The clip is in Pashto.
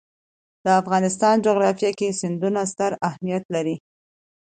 د افغانستان جغرافیه کې سیندونه ستر اهمیت لري.